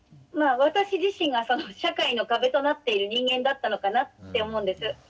まあ私自身が社会の壁となっている人間だったのかなって思うんです。